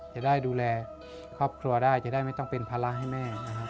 จะได้ดูแลครอบครัวได้จะได้ไม่ต้องเป็นภาระให้แม่นะครับ